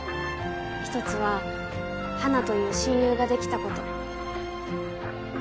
１つは花という親友ができたこと。